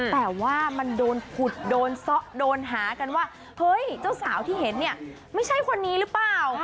แต่ว่ามันโดนขุดโดนซะโดนหากันว่าเฮ้ยเจ้าสาวที่เห็นเนี่ยไม่ใช่คนนี้หรือเปล่า